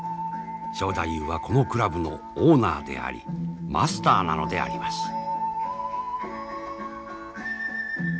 正太夫はこの倶楽部のオーナーでありマスターなのであります。